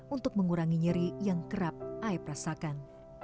untuk mengurangi nyeri yang kerap aib rasakan